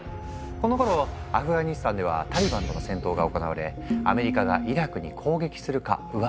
このころアフガニスタンではタリバンとの戦闘が行われアメリカがイラクに攻撃するかウワサされてた時期。